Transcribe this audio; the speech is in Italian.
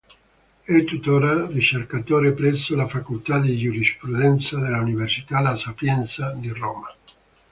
È tuttora Ricercatore presso la "Facoltà di Giurisprudenza" dell'Università La Sapienza di Roma.